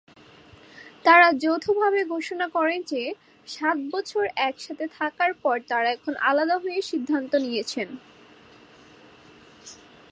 তারা যৌথভাবে ঘোষণা করেন যে, সাত বছর একসাথে থাকার পর তারা এখন আলাদা হয়ে যাওয়ার সিদ্ধান্ত নিয়েছেন।